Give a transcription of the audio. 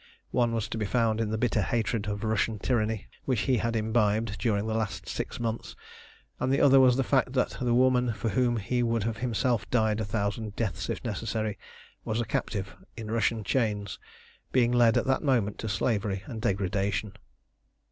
One was to be found in the bitter hatred of Russian tyranny which he had imbibed during the last six months, and the other was the fact that the woman for whom he would have himself died a thousand deaths if necessary, was a captive in Russian chains, being led at that moment to slavery and degradation.